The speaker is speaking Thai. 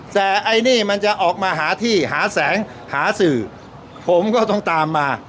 แต่ไอ้นี่มันจะออกมาหาที่หาแสงหาสื่อผมก็ต้องตามมา